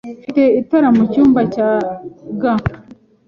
Mfite itara mu cyumba cya gants.